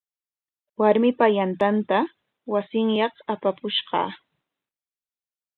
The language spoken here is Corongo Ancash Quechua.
Warmipa yantanta wasinyaq apapushqa.